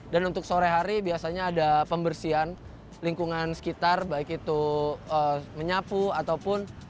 dan untuk sore hari biasanya ada pembersihan lingkungan sekitar baik itu menyapu ataupun